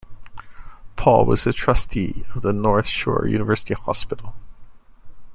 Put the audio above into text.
Pall was a trustee of the North Shore University Hospital.